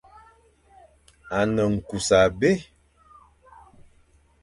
A ne nkus abé.